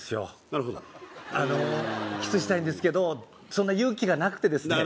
なるほどうーんあのキスしたいんですけどそんな勇気がなくてですね